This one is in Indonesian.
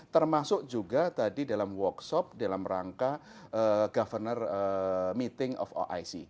termasuk juga tadi dalam workshop dalam rangka governor meeting of oic